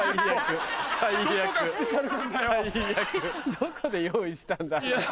どこで用意したんだよ。